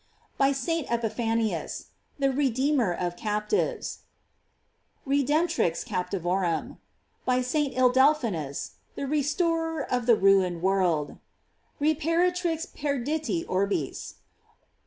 "* By St. Epiphanius: The redeemer of captives: "Redemptrix captivorum."f By St. Ildephonsus: The restorer of the ruined world: "Reparatrix perditi orbis."